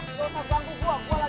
gua lupa bangun gua